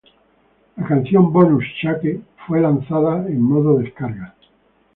La canción bonus "Shake" fue lanzada en modo descarga.